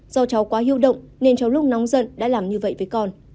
do cháu quá hiệu động nên cháu lúc nóng giận đã làm như vậy với con